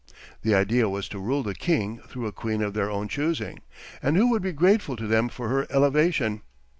The idea was to rule the king through a queen of their own choosing, and who would be grateful to them for her elevation.